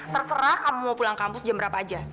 terserah kamu mau pulang kampus jam berapa aja